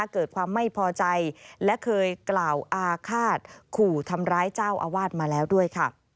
เกิดความไม่พอใจและเคยกล่าวอาฆาตขู่ทำร้ายเจ้าอาวาสมาแล้วด้วยค่ะ